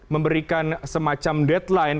memberikan semacam deadline